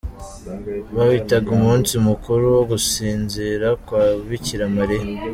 Bawitaga umunsi mukuru wo Gusinzira kwa Bikira Mariya.